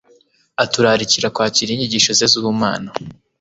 Aturarikira kwakira inyigisho ze z'ubumana,